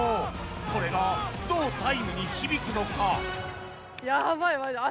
これがどうタイムに響くのか？